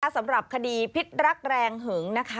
สำหรับคดีพิษรักแรงหึงนะคะ